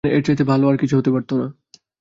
মানে, এরচাইতে ভালো কিছু হতে পারতো না।